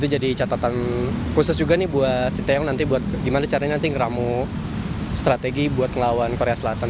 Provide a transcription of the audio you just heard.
itu jadi catatan khusus juga nih buat sintayong nanti gimana caranya nanti ngeramu strategi buat ngelawan korea selatan